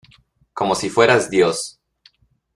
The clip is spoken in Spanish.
como si fueras Dios.